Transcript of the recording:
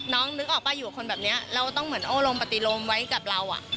นึกออกป่ะอยู่กับคนแบบนี้เราต้องเหมือนโอ้รมปฏิรมไว้กับเรา